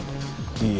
いいえ。